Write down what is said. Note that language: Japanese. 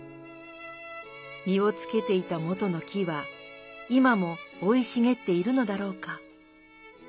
実をつけていたもとの樹は今も生いしげっているのだろうか。